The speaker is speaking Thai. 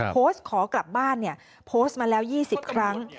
โพสต์ขอกลับบ้านเนี่ยโพสต์มาแล้ว๒๐ครั้ง